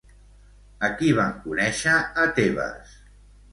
A qui van conèixer a Tebes?